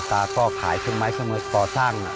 ตาก็ขายถึงไม้เสมอต่อสร้าง